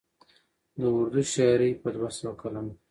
د اردو شاعرۍ په دوه سوه کلن